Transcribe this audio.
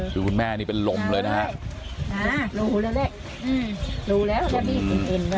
ดูคุณแม่นี่เป็นลมเลยนะฮะ